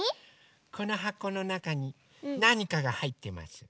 このはこのなかになにかがはいってます。